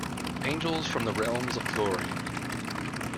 Angels from the realms of glory.